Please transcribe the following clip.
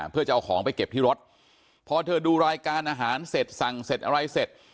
เพื่อจะเอาของไปเก็บที่รถพอเธอดูรายการอาหารเสร็จสั่งเสร็จอะไรเสร็จ